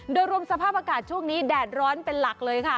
โดยรวมสภาพอากาศช่วงนี้แดดร้อนเป็นหลักเลยค่ะ